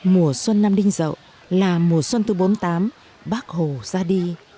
mùa xuân năm đinh dậu là mùa xuân thứ bốn mươi tám bác hồ ra đi